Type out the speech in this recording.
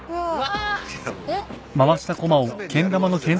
うわ！